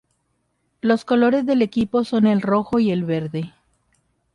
Los colores del equipo son el rojo y el verde.